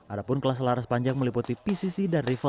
ada pun kelas laras panjang meliputi pcc dan rival